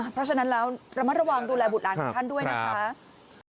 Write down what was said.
เพราะฉะนั้นแล้วระมัดระวังดูแลบุตรหลานของท่านด้วยนะคะ